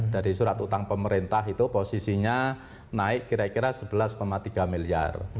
dari surat utang pemerintah itu posisinya naik kira kira rp sebelas tiga miliar